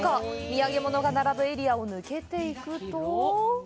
土産物が並ぶエリアを抜けていくと。